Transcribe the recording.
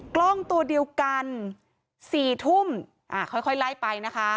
กล้องตัวเดียวกัน๔ทุ่มค่อยไล่ไปนะคะ